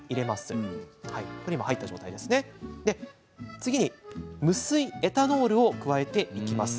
次に無水エタノールを加えていきます。